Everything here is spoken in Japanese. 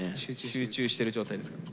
集中してる状態ですから。